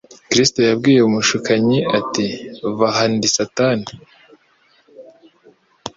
Kristo yabwiye umushukanyi ati, “Va aho ndi Satani: